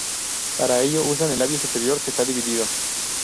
Para ello usan el labio superior, que está dividido.